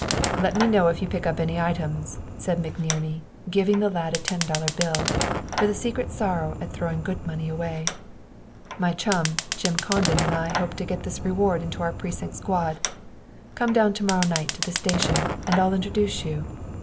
"Let me know if you pick up any items," said McNerney, giving the lad a ten dollar bill, with a secret sorrow at throwing good money away. "My chum, Jim Condon, and I hope to help get this reward into our Precinct Squad. Come down to morrow night to the station, and I'll introduce you.